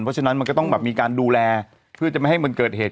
เพราะฉะนั้นมันก็ต้องแบบมีการดูแลเพื่อจะไม่ให้มันเกิดเหตุ